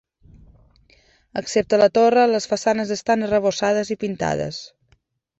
Excepte la torre, les façanes estan arrebossades i pintades.